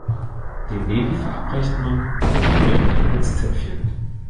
Dem Baby verabreicht man Fiebermittel als Zäpfchen.